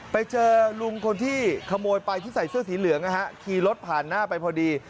ไปเจอลุงคนที่ขโมยไปที่ใส่เสื้อสีเหลืองนะฮะขี่รถผ่านหน้าไปพอดี